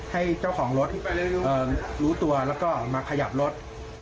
ให้เจ้าของรถรู้ตัวแล้วก็มาขยับรถ